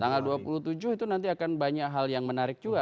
tanggal dua puluh tujuh itu nanti akan banyak hal yang menarik juga